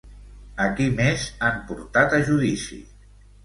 A qui més han portat a judici?